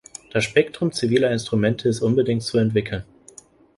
Das Spektrum ziviler Instrumente ist unbedingt zu entwickeln.